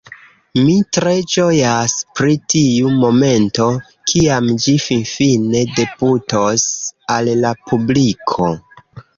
Mi tre ĝojas pri tiu momento, kiam ĝi finfine debutos al la publiko